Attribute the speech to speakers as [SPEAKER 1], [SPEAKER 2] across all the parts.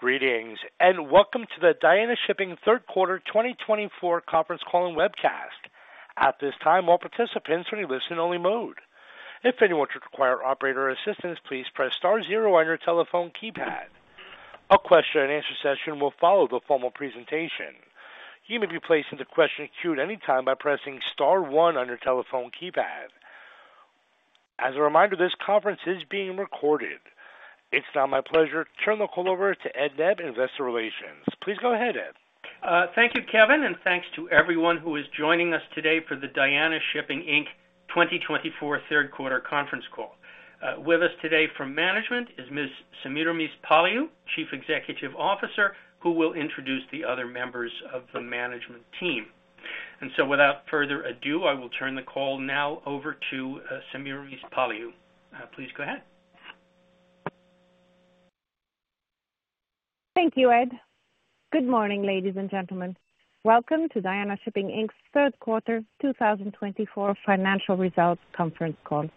[SPEAKER 1] Greetings, and welcome to the Diana Shipping Q3 2024 Conference Calling Webcast. At this time, all participants are in listen-only mode. If anyone should require operator assistance, please press star zero on your telephone keypad. A question-and-answer session will follow the formal presentation. You may be placed into question queue at any time by pressing star one on your telephone keypad. As a reminder, this conference is being recorded. It's now my pleasure to turn the call over to Ed Nebb, Investor Relations. Please go ahead, Ed.
[SPEAKER 2] Thank you, Kevin, and thanks to everyone who is joining us today for the Diana Shipping Inc. 2024 Q3 Conference Call. With us today from management is Ms. Semiramis Paliou, Chief Executive Officer, who will introduce the other members of the management team. And so, without further ado, I will turn the call now over to Semiramis Paliou. Please go ahead.
[SPEAKER 3] Thank you, Ed. Good morning, ladies and gentlemen. Welcome to Diana Shipping Inc.'s Q3 2024 Financial Results Conference Call.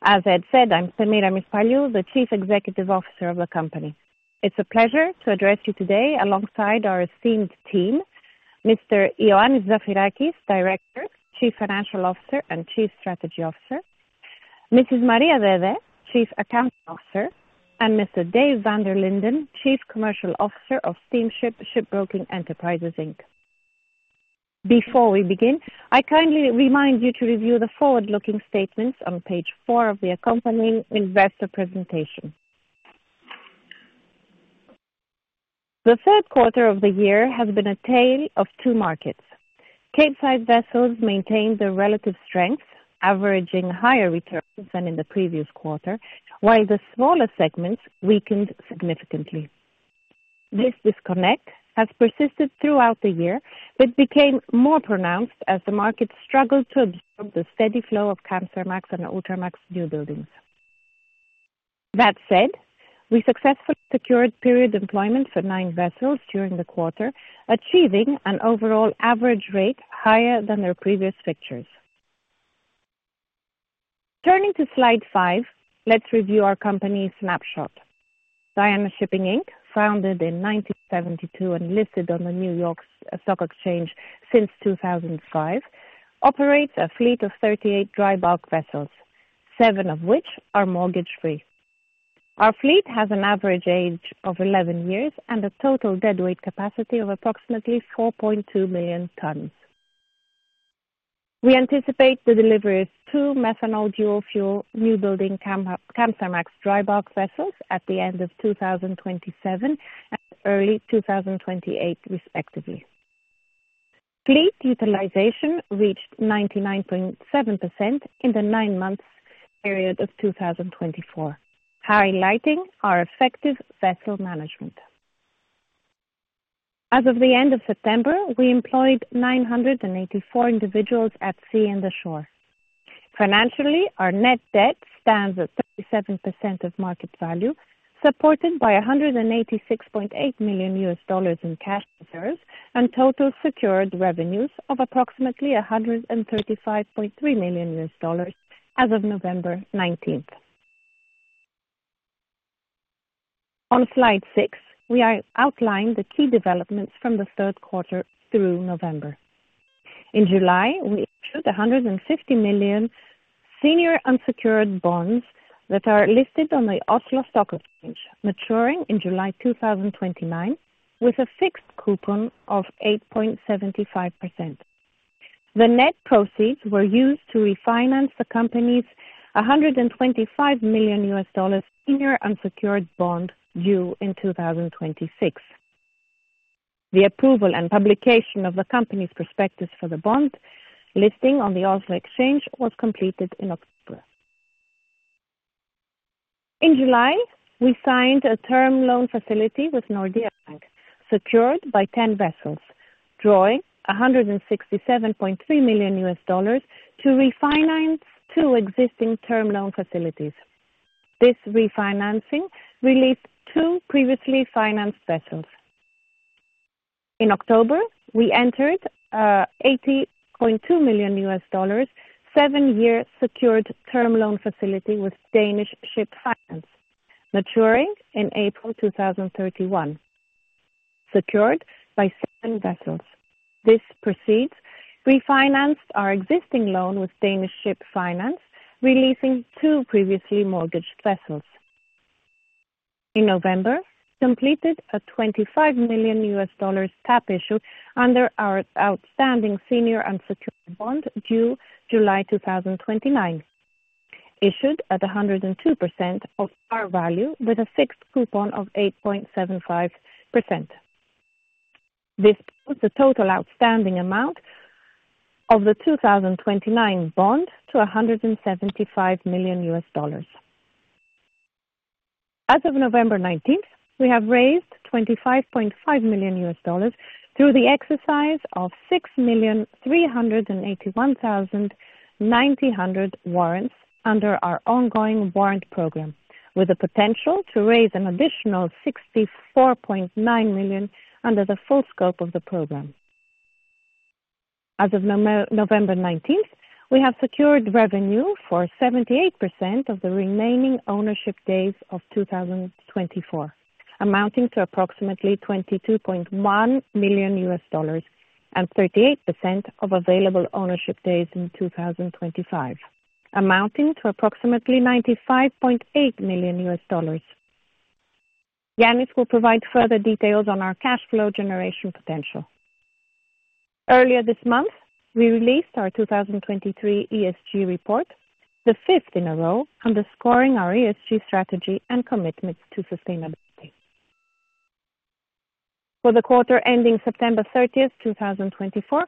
[SPEAKER 3] As Ed said, I'm Semiramis Paliou, the Chief Executive Officer of the company. It's a pleasure to address you today alongside our esteemed team: Mr. Ioannis Zafirakis, Director, Chief Financial Officer, and Chief Strategy Officer, Mrs. Maria Dede, Chief Accounting Officer, and Mr. Dave Van der Linden, Chief Commercial Officer of Steamship Shipbroking Enterprises Inc. Before we begin, I kindly remind you to review the forward-looking statements on page four of the accompanying investor presentation. The Q3 of the year has been a tale of two markets. Cape-sized vessels maintained their relative strength, averaging higher returns than in the previous quarter, while the smaller segments weakened significantly. This disconnect has persisted throughout the year, but became more pronounced as the market struggled to absorb the steady flow of Kamsarmax and Ultramax new buildings. That said, we successfully secured period employment for nine vessels during the quarter, achieving an overall average rate higher than their previous fixtures. Turning to slide five, let's review our company's snapshot. Diana Shipping Inc., founded in 1972 and listed on the New York Stock Exchange since 2005, operates a fleet of 38 dry bulk vessels, seven of which are mortgage-free. Our fleet has an average age of 11 years and a total deadweight capacity of approximately 4.2 million tons. We anticipate the delivery of two methanol dual-fuel new building Kamsarmax dry bulk vessels at the end of 2027 and early 2028, respectively. Fleet utilization reached 99.7% in the nine-month period of 2024, highlighting our effective vessel management. As of the end of September, we employed 984 individuals at sea and ashore. Financially, our net debt stands at 37% of market value, supported by $186.8 million in cash reserves and total secured revenues of approximately $135.3 million as of November 19th. On slide six, we outline the key developments from the Q3 through November. In July, we issued $150 million senior unsecured bonds that are listed on the Oslo Stock Exchange, maturing in July 2029 with a fixed coupon of 8.75%. The net proceeds were used to refinance the company's $125 million senior unsecured bond due in 2026. The approval and publication of the company's prospectus for the bond listing on the Oslo Exchange was completed in October. In July, we signed a term loan facility with Nordea Bank, secured by 10 vessels, drawing $167.3 million to refinance two existing term loan facilities. This refinancing released two previously financed vessels. In October, we entered $80.2 million seven-year secured term loan facility with Danish Ship Finance, maturing in April 2031, secured by seven vessels. This proceeds refinanced our existing loan with Danish Ship Finance, releasing two previously mortgaged vessels. In November, we completed a $25 million tap issue under our outstanding senior unsecured bond due July 2029, issued at 102% of our value with a fixed coupon of 8.75%. This brings the total outstanding amount of the 2029 bond to $175 million. As of November 19th, we have raised $25.5 million through the exercise of 6,381,900 warrants under our ongoing warrant program, with the potential to raise an additional $64.9 million under the full scope of the program. As of November 19th, we have secured revenue for 78% of the remaining ownership days of 2024, amounting to approximately $22.1 million and 38% of available ownership days in 2025, amounting to approximately $95.8 million. Yanis will provide further details on our cash flow generation potential. Earlier this month, we released our 2023 ESG report, the fifth in a row, underscoring our ESG strategy and commitment to sustainability. For the quarter ending September 30th, 2024, we're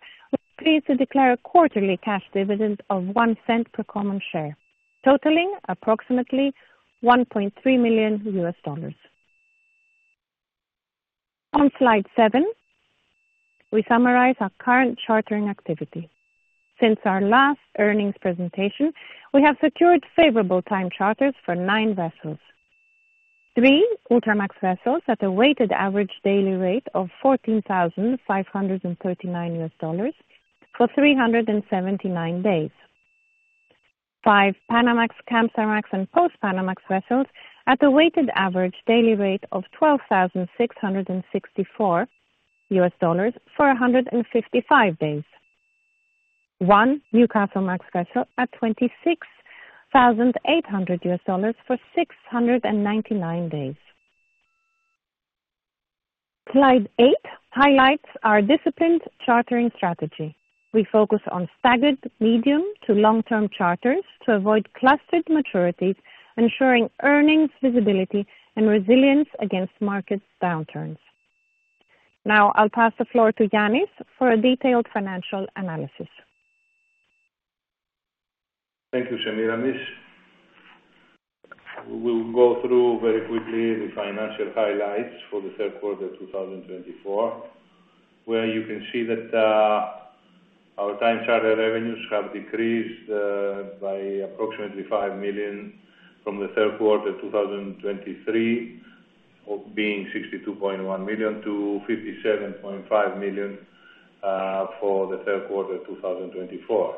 [SPEAKER 3] pleased to declare a quarterly cash dividend of $0.01 per common share, totaling approximately $1.3 million. On slide seven, we summarize our current chartering activity. Since our last earnings presentation, we have secured favorable time charters for nine vessels: three Ultramax vessels at a weighted average daily rate of $14,539 for 379 days; five Panamax, Kamsarmax, and Post-Panamax vessels at a weighted average daily rate of $12,664 for 155 days; one Newcastlemax vessel at $26,800 for 699 days. Slide eight highlights our disciplined chartering strategy. We focus on staggered medium to long-term charters to avoid clustered maturities, ensuring earnings visibility and resilience against market downturns. Now, I'll pass the floor to Yanis for a detailed financial analysis.
[SPEAKER 4] Thank you, Semiramis. We'll go through very quickly the financial highlights for the Q3 2024, where you can see that our time charter revenues have decreased by approximately $5 million from the Q3 2023, being $62.1 million to $57.5 million for the Q3 2024.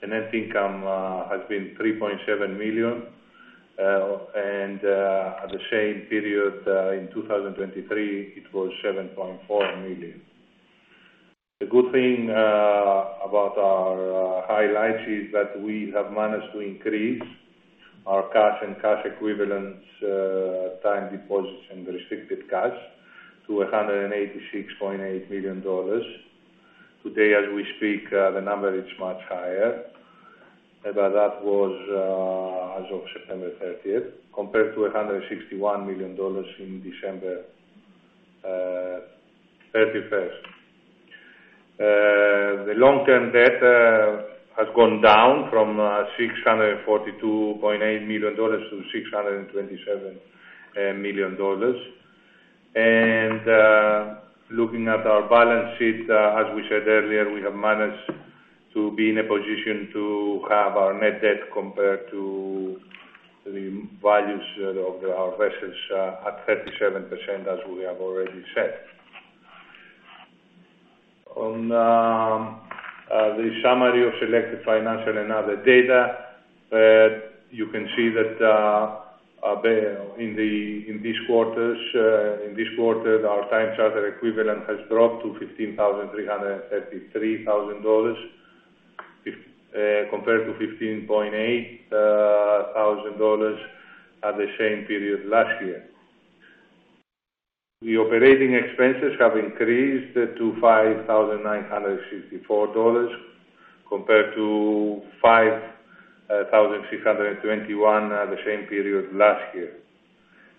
[SPEAKER 4] The net income has been $3.7 million, and at the same period in 2023, it was $7.4 million. The good thing about our highlights is that we have managed to increase our cash and cash equivalents time deposits and restricted cash to $186.8 million. Today, as we speak, the number is much higher, but that was as of September 30th, compared to $161 million in December 31st. The long-term debt has gone down from $642.8 million to $627 million. Looking at our balance sheet, as we said earlier, we have managed to be in a position to have our net debt compared to the values of our vessels at 37%, as we have already said. On the summary of selected financial and other data, you can see that in this quarter, our time charter equivalent has dropped to $15,333,000, compared to $15,800 at the same period last year. The operating expenses have increased to $5,964, compared to $5,621 at the same period last year.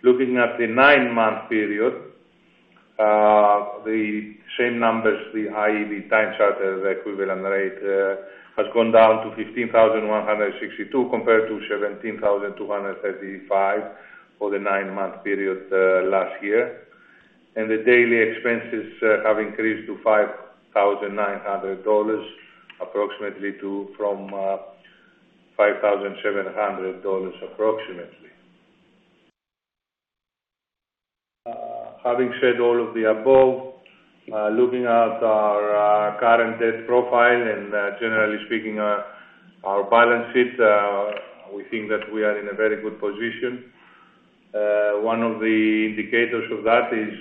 [SPEAKER 4] Looking at the nine-month period, the same numbers, our time charter equivalent rate has gone down to $15,162, compared to $17,235 for the nine-month period last year. The daily expenses have increased to $5,900 approximately from $5,700 approximately. Having said all of the above, looking at our current debt profile and generally speaking our balance sheet, we think that we are in a very good position. One of the indicators of that is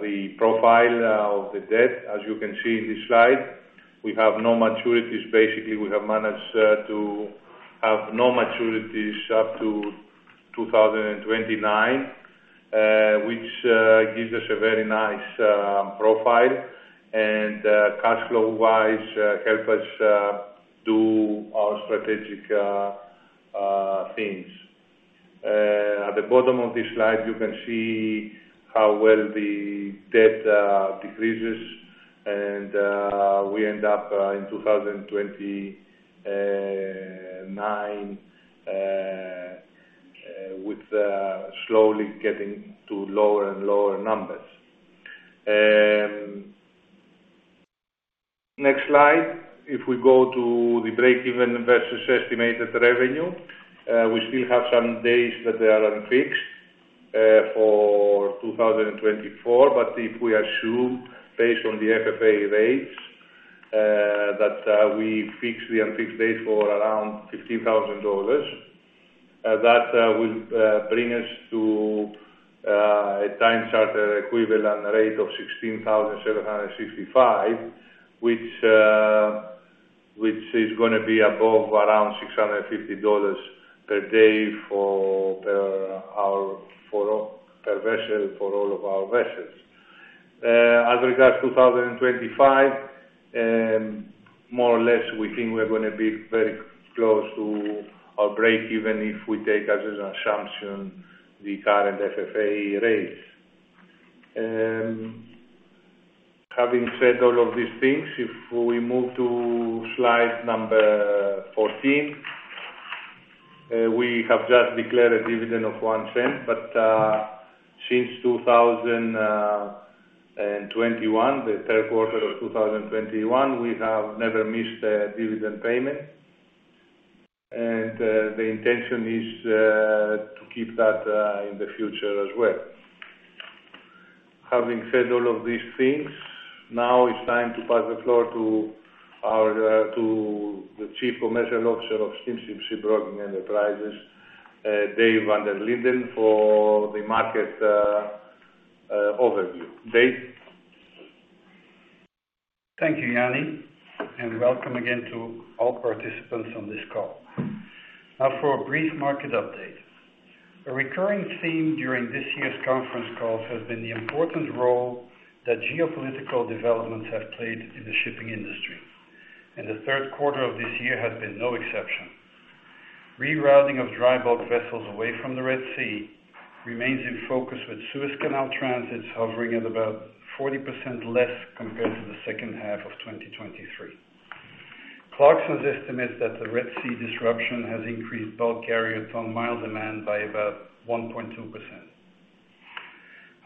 [SPEAKER 4] the profile of the debt. As you can see in this slide, we have no maturities. Basically, we have managed to have no maturities up to 2029, which gives us a very nice profile and cash flow-wise helps us do our strategic things. At the bottom of this slide, you can see how well the debt decreases, and we end up in 2029 with slowly getting to lower and lower numbers. Next slide. If we go to the break-even versus estimated revenue, we still have some days that they are unfixed for 2024, but if we assume, based on the FFA rates, that we fix the unfixed days for around $15,000, that will bring us to a time charter equivalent rate of 16,765, which is going to be above around $650 per day per vessel for all of our vessels. As regards 2025, more or less, we think we're going to be very close to our break-even if we take as an assumption the current FFA rates. Having said all of these things, if we move to slide number 14, we have just declared a dividend of $0.01, but since 2021, the Q3 of 2021, we have never missed a dividend payment, and the intention is to keep that in the future as well. Having said all of these things, now it's time to pass the floor to the Chief Commercial Officer of Steamship Shipbroking Enterprises, Dave Van der Linden, for the market overview. Dave.
[SPEAKER 5] Thank you, Yanis, and welcome again to all participants on this call. Now, for a brief market update. A recurring theme during this year's conference calls has been the important role that geopolitical developments have played in the shipping industry, and the Q3 of this year has been no exception. Rerouting of dry bulk vessels away from the Red Sea remains in focus, with Suez Canal transits hovering at about 40% less compared to the second half of 2023. Clarksons estimates that the Red Sea disruption has increased bulk carriers' ton-mile demand by about 1.2%.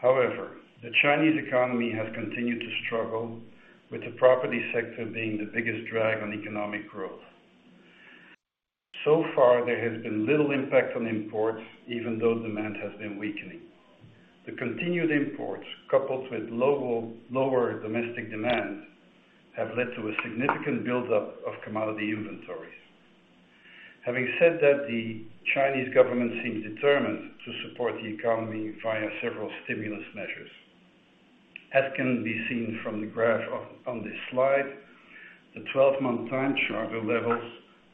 [SPEAKER 5] However, the Chinese economy has continued to struggle, with the property sector being the biggest drag on economic growth. So far, there has been little impact on imports, even though demand has been weakening. The continued imports, coupled with lower domestic demand, have led to a significant buildup of commodity inventories. Having said that, the Chinese government seems determined to support the economy via several stimulus measures. As can be seen from the graph on this slide, the 12-month time charter levels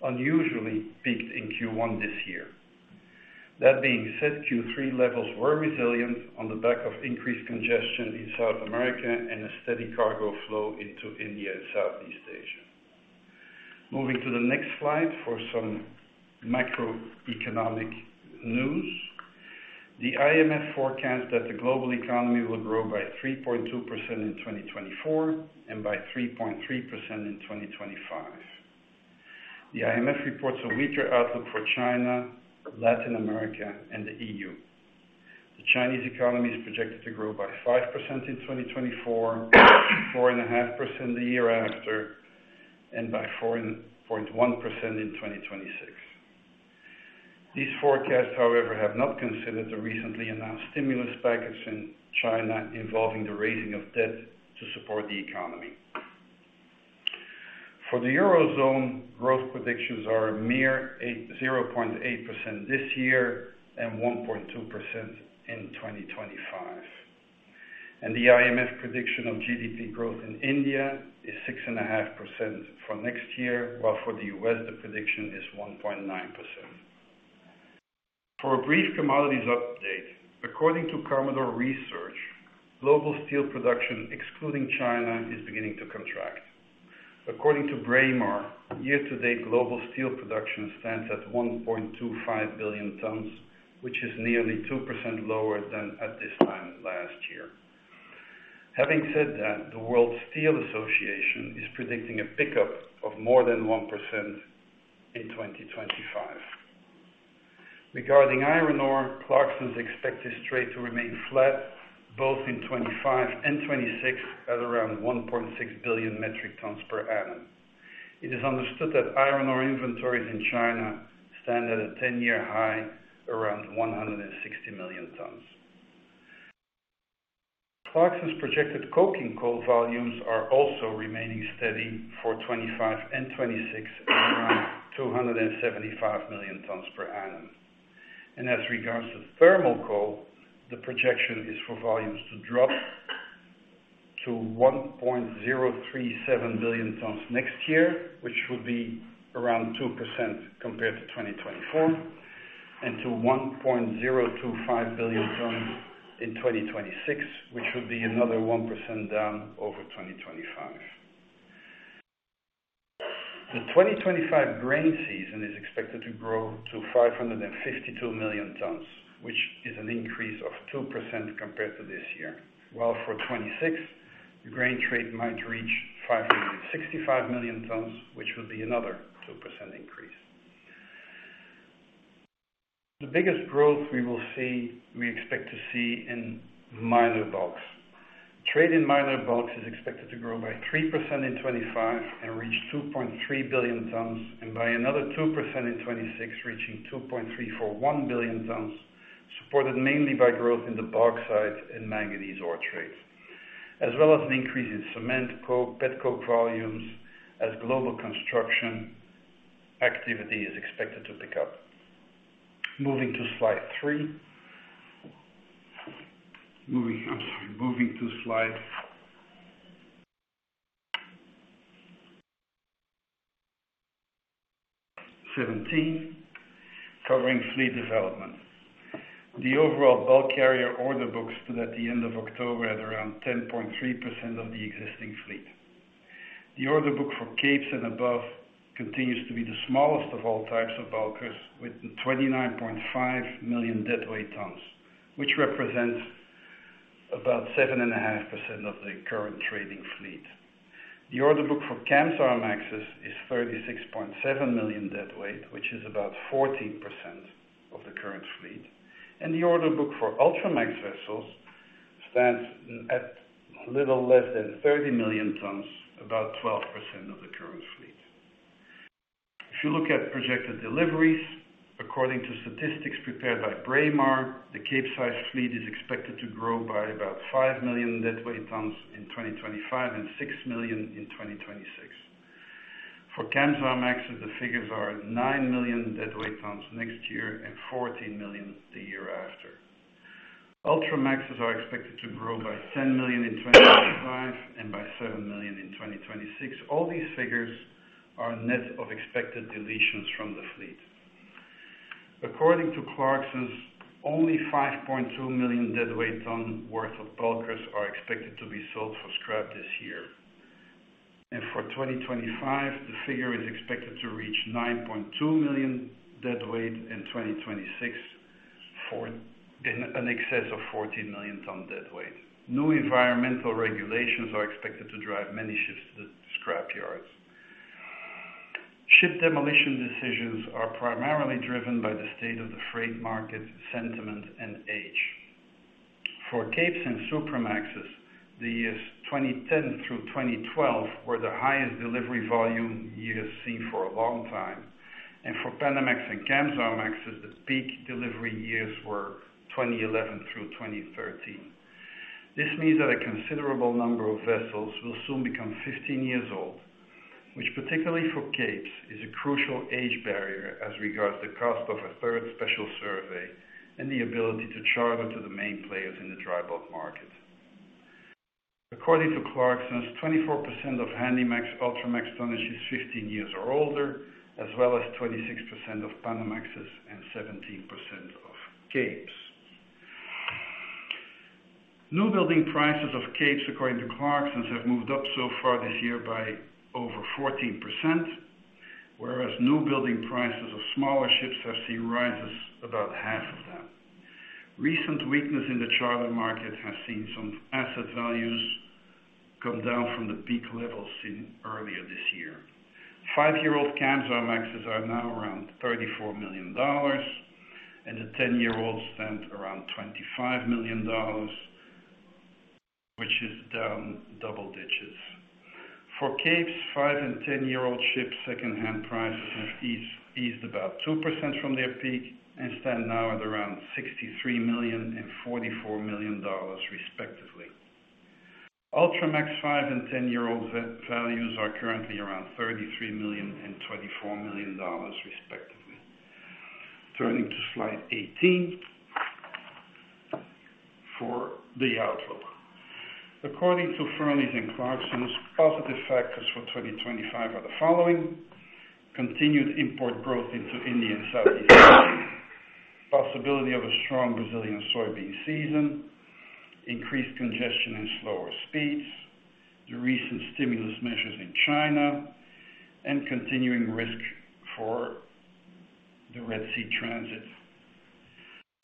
[SPEAKER 5] unusually peaked in Q1 this year. That being said, Q3 levels were resilient on the back of increased congestion in South America and a steady cargo flow into India and Southeast Asia. Moving to the next slide for some macroeconomic news. The IMF forecasts that the global economy will grow by 3.2% in 2024 and by 3.3% in 2025. The IMF reports a weaker outlook for China, Latin America, and the EU. The Chinese economy is projected to grow by 5% in 2024, 4.5% the year after, and by 4.1% in 2026. These forecasts, however, have not considered the recently announced stimulus package in China involving the raising of debt to support the economy. For the Eurozone, growth predictions are a mere 0.8% this year and 1.2% in 2025, and the IMF prediction of GDP growth in India is 6.5% for next year, while for the US, the prediction is 1.9%. For a brief commodities update, according to Commodore Research, global steel production, excluding China, is beginning to contract. According to Braemar, year-to-date global steel production stands at 1.25 billion tons, which is nearly 2% lower than at this time last year. Having said that, the World Steel Association is predicting a pickup of more than 1% in 2025. Regarding iron ore, Clarksons expects it to remain flat both in 2025 and 2026 at around 1.6 billion metric tons per annum. It is understood that iron ore inventories in China stand at a 10-year high, around 160 million tons. Clarksons' projected coking coal volumes are also remaining steady for 2025 and 2026 at around 275 million tons per annum, and as regards to thermal coal, the projection is for volumes to drop to 1.037 billion tons next year, which would be around 2% compared to 2024, and to 1.025 billion tons in 2026, which would be another 1% down over 2025. The 2025 grain season is expected to grow to 552 million tons, which is an increase of 2% compared to this year, while for 2026, the grain trade might reach 565 million tons, which would be another 2% increase. The biggest growth we will see, we expect to see in minor bulks. Trade in minor bulks is expected to grow by 3% in 2025 and reach 2.3 billion tons, and by another 2% in 2026, reaching 2.341 billion tons, supported mainly by growth in the bauxite and manganese ore trade, as well as an increase in cement, coke, pet coke volumes as global construction activity is expected to pick up. Moving to slide three. Moving to slide 17, covering fleet development. The overall bulk carrier order book stood at the end of October at around 10.3% of the existing fleet. The order book for capes and above continues to be the smallest of all types of bulkers, with 29.5 million deadweight tons, which represents about 7.5% of the current trading fleet. The order book for Kamsarmaxes is 36.7 million deadweight tons, which is about 14% of the current fleet. The order book for Ultramax vessels stands at little less than 30 million tons, about 12% of the current fleet. If you look at projected deliveries, according to statistics prepared by Braemar, the Capesize fleet is expected to grow by about 5 million deadweight tons in 2025 and 6 million in 2026. For Kamsarmax, the figures are 9 million deadweight tons next year and 14 million the year after. Ultramax is expected to grow by 10 million in 2025 and by 7 million in 2026. All these figures are net of expected deletions from the fleet. According to Clarksons', only 5.2 million deadweight tons worth of bulkers are expected to be sold for scrap this year. For 2025, the figure is expected to reach 9.2 million deadweight tons in 2026 for an excess of 14 million tons deadweight. New environmental regulations are expected to drive many ships to the scrapyards. Ship demolition decisions are primarily driven by the state of the freight market, sentiment, and age. For Capes and Supramaxes, the years 2010 through 2012 were the highest delivery volume years seen for a long time, and for Panamax and Kamsarmaxes, the peak delivery years were 2011 through 2013. This means that a considerable number of vessels will soon become 15 years old, which, particularly for Capes, is a crucial age barrier as regards the cost of a third special survey and the ability to charter to the main players in the dry bulk market. According to Clarksons, 24% of Handymax Ultramax tonnage is 15 years or older, as well as 26% of Panamaxes and 17% of Capes. Newbuilding prices of capes, according to Clarksons, have moved up so far this year by over 14%, whereas newbuilding prices of smaller ships have seen rises about half of them. Recent weakness in the charter market has seen some asset values come down from the peak levels seen earlier this year. Five-year-old Kamsarmaxes are now around $34 million, and the 10-year-olds stand around $25 million, which is down double digits. For capes, five- and 10-year-old ships' second-hand prices have eased about 2% from their peak and stand now at around $63 million and $44 million, respectively. Ultramax five- and 10-year-old values are currently around $33 million and $24 million, respectively. Turning to slide 18 for the outlook. According to Fearnleys and Clarksons, positive factors for 2025 are the following: continued import growth into India and Southeast Asia, possibility of a strong Brazilian soybean season, increased congestion and slower speeds, the recent stimulus measures in China, and continuing risk for the Red Sea transit.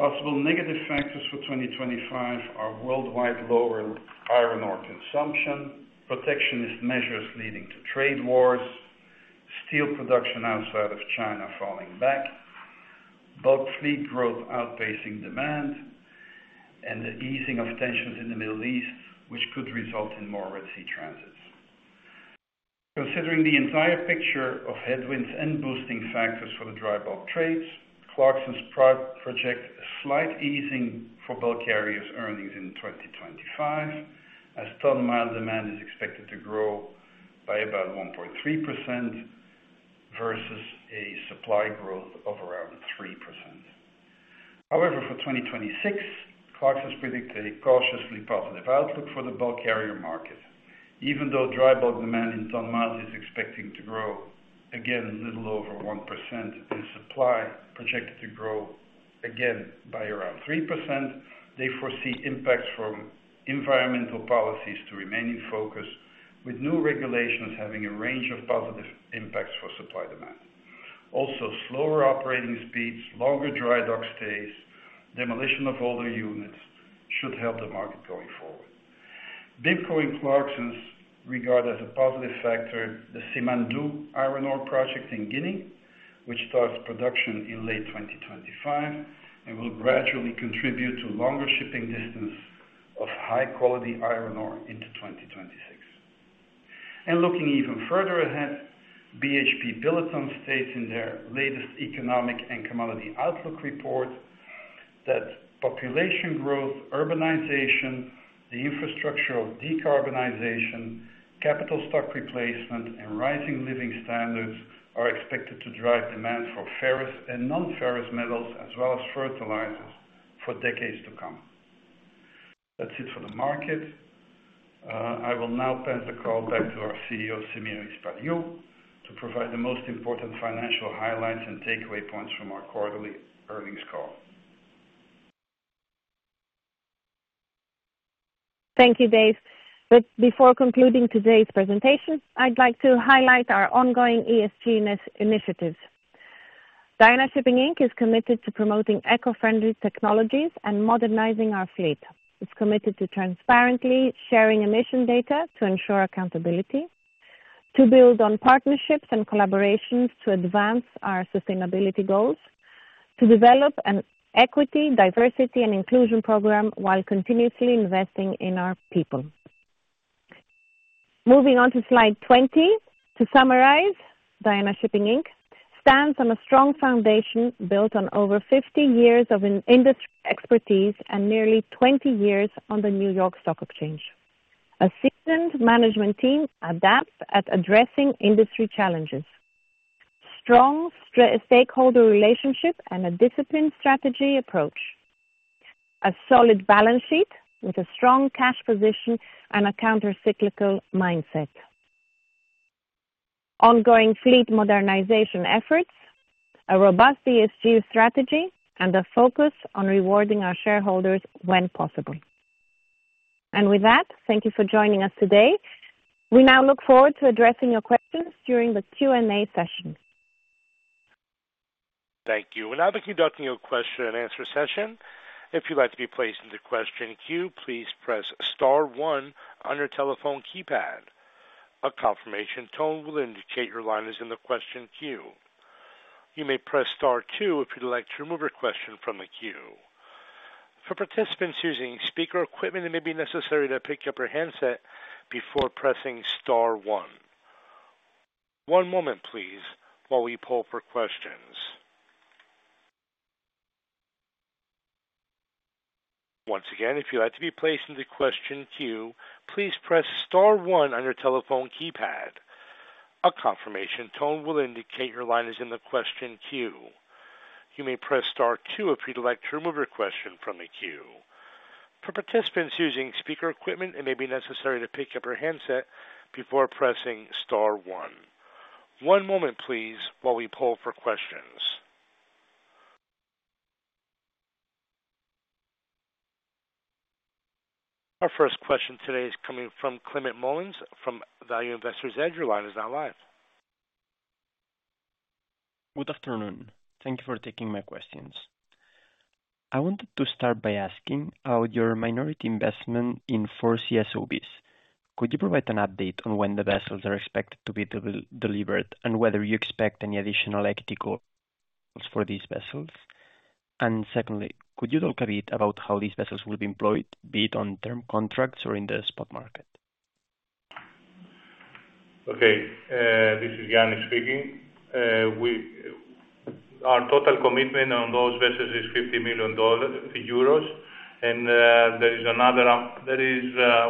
[SPEAKER 5] Possible negative factors for 2025 are worldwide lower iron ore consumption, protectionist measures leading to trade wars, steel production outside of China falling back, bulk fleet growth outpacing demand, and the easing of tensions in the Middle East, which could result in more Red Sea transits. Considering the entire picture of headwinds and boosting factors for the dry bulk trades, Clarksons project a slight easing for bulk carrier earnings in 2025, as ton-mile demand is expected to grow by about 1.3% versus a supply growth of around 3%. However, for 2026, Clarksons predicted a cautiously positive outlook for the bulk carrier market. Even though dry bulk demand in ton-miles is expecting to grow again little over 1% and supply projected to grow again by around 3%, they foresee impacts from environmental policies to remain in focus, with new regulations having a range of positive impacts for supply demand. Also, slower operating speeds, longer dry dock stays, and demolition of older units should help the market going forward. BIMCO and Clarksons regard as a positive factor the Simandou iron ore project in Guinea, which starts production in late 2025 and will gradually contribute to longer shipping distance of high-quality iron ore into 2026. Looking even further ahead, BHP Billiton states in their latest economic and commodity outlook report that population growth, urbanization, the infrastructure of decarbonization, capital stock replacement, and rising living standards are expected to drive demand for ferrous and non-ferrous metals as well as fertilizers for decades to come. That's it for the market. I will now pass the call back to our CEO, Semiramis Paliou, to provide the most important financial highlights and takeaway points from our quarterly earnings call.
[SPEAKER 3] Thank you, Dave. But before concluding today's presentation, I'd like to highlight our ongoing ESG initiatives. Diana Shipping Inc. is committed to promoting eco-friendly technologies and modernizing our fleet. It's committed to transparently sharing emission data to ensure accountability, to build on partnerships and collaborations to advance our sustainability goals, to develop an equity, diversity, and inclusion program while continuously investing in our people. Moving on to slide 20, to summarize, Diana Shipping Inc. stands on a strong foundation built on over 50 years of industry expertise and nearly 20 years on the New York Stock Exchange. A seasoned management team adept at addressing industry challenges. Strong stakeholder relationships and a disciplined strategy approach. A solid balance sheet with a strong cash position and a countercyclical mindset. Ongoing fleet modernization efforts, a robust ESG strategy, and a focus on rewarding our shareholders when possible. And with that, thank you for joining us today. We now look forward to addressing your questions during the Q&A session.
[SPEAKER 1] Thank you. We'll now be conducting a question-and-answer session. If you'd like to be placed in the question queue, please press Star 1 on your telephone keypad. A confirmation tone will indicate your line is in the question queue. You may press Star 2 if you'd like to remove your question from the queue. For participants using speaker equipment, it may be necessary to pick up your handset before pressing Star 1. One moment, please, while we pull up our questions. Once again, if you'd like to be placed in the question queue, please press Star 1 on your telephone keypad. A confirmation tone will indicate your line is in the question queue. You may press Star 2 if you'd like to remove your question from the queue. For participants using speaker equipment, it may be necessary to pick up your handset before pressing Star 1. One moment, please, while we pull up our questions. Our first question today is coming from Climent Molins from Value Investor's Edge. Ed, your line is now live.
[SPEAKER 6] Good afternoon. Thank you for taking my questions. I wanted to start by asking about your minority investment in four CSOVs. Could you provide an update on when the vessels are expected to be delivered and whether you expect any additional equity calls for these vessels? Secondly, could you talk a bit about how these vessels will be employed, be it on term contracts or in the spot market?
[SPEAKER 4] Okay. This is Yannis speaking. Our total commitment on those vessels is 50 million euros, and there is another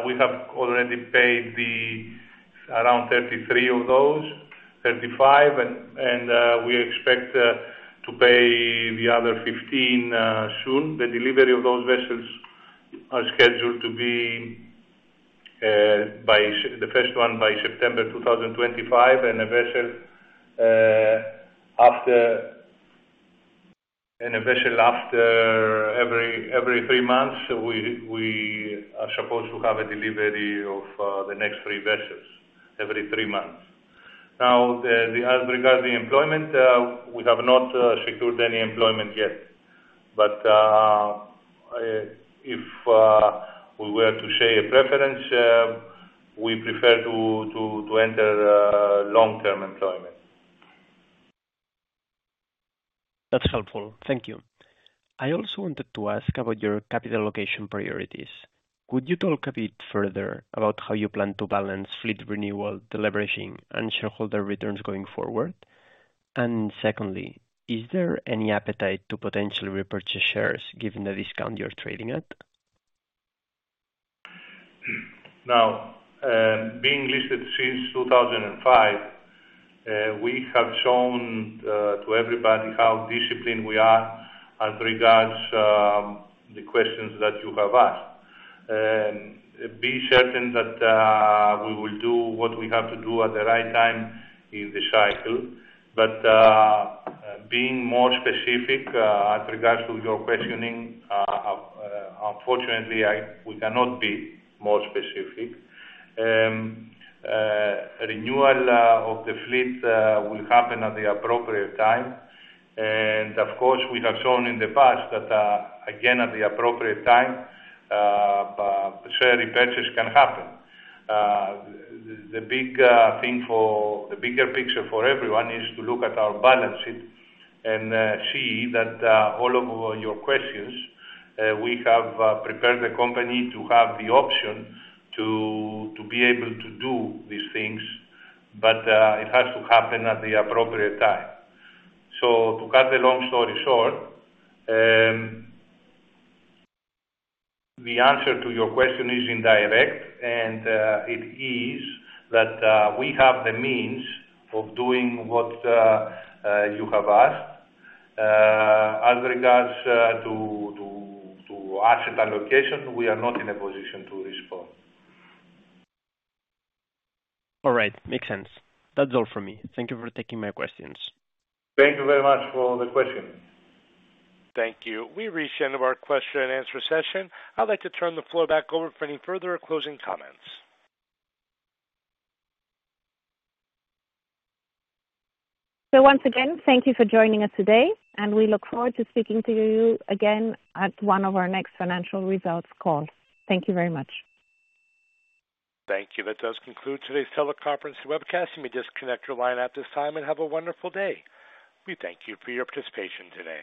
[SPEAKER 4] we have already paid around 33 of those, 35, and we expect to pay the other 15 soon. The delivery of those vessels are scheduled to be the first one by September 2025, and a vessel after every three months, we are supposed to have a delivery of the next three vessels every three months. Now, as regards the employment, we have not secured any employment yet, but if we were to say a preference, we prefer to enter long-term employment.
[SPEAKER 6] That's helpful. Thank you. I also wanted to ask about your capital allocation priorities. Could you talk a bit further about how you plan to balance fleet renewal, deleveraging, and shareholder returns going forward? And secondly, is there any appetite to potentially repurchase shares given the discount you're trading at?
[SPEAKER 4] Now, being listed since 2005, we have shown to everybody how disciplined we are as regards the questions that you have asked. Be certain that we will do what we have to do at the right time in the cycle. But being more specific as regards to your questioning, unfortunately, we cannot be more specific. Renewal of the fleet will happen at the appropriate time. And of course, we have shown in the past that, again, at the appropriate time, share repurchase can happen. The bigger picture for everyone is to look at our balance sheet and see that all of your questions we have prepared the company to have the option to be able to do these things, but it has to happen at the appropriate time. So to cut the long story short, the answer to your question is indirect, and it is that we have the means of doing what you have asked. As regards to asset allocation, we are not in a position to respond.
[SPEAKER 6] All right. Makes sense. That's all from me. Thank you for taking my questions.
[SPEAKER 4] Thank you very much for the question.
[SPEAKER 1] Thank you. We've reached the end of our question-and-answer session. I'd like to turn the floor back over for any further closing comments.
[SPEAKER 3] Once again, thank you for joining us today, and we look forward to speaking to you again at one of our next financial results calls. Thank you very much.
[SPEAKER 1] Thank you. That does conclude today's teleconference webcast. You may just connect your line at this time and have a wonderful day. We thank you for your participation today.